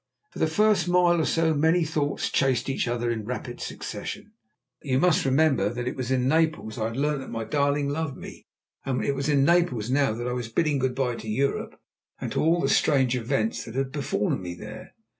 For the first mile or so my thoughts chased each other in rapid succession. You must remember that it was in Naples I had learnt that my darling loved me, and it was in Naples now that I was bidding good bye to Europe and to all the strange events that had befallen me there.